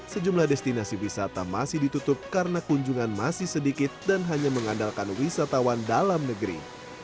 sejumlah destinasi wisata masih ditutup karena kunjungan masih sedikit dan hanya mengandalkan wisatawan dalam negeri